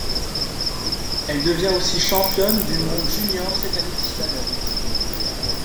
Elle devient aussi championne du monde junior cette année du slalom.